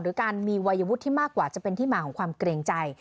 การมีวัยวุฒิที่มากกว่าจะเป็นที่มาของความเกรงใจ